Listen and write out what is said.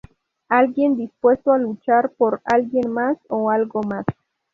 Alguien dispuesto a luchar por alguien mas o algo más.